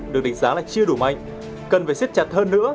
được đánh giá là chưa đủ mạnh cần phải xếp chặt hơn nữa